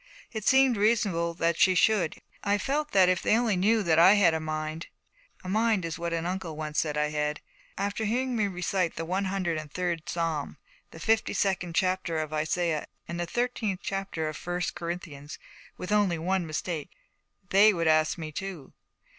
It seemed reasonable that she should, and yet I felt that if they only knew that I had a mind, a mind was what an uncle once said I had, after hearing me recite the one hundred and third Psalm, the fifty second chapter of Isaiah, and the thirteenth chapter of First Corinthians, with only one mistake, they would ask me too.